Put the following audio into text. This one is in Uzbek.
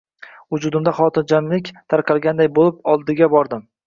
Vujudimga xotirjamlik taralganday bo`lib, oldiga bordim